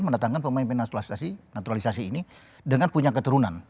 mendatangkan pemimpin nasional naturalisasi ini dengan punya keturunan